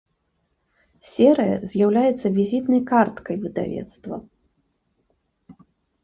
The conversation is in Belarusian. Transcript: Серыя з'яўляецца візітнай карткай выдавецтва.